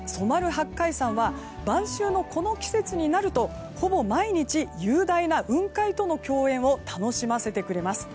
八海山は晩秋のこの季節になるとほぼ毎日、雄大な雲海との共演を楽しませてくれます。